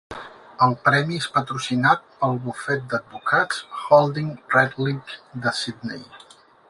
El premi és patrocinat pel bufet d'advocats Holding Redlich de Sydney.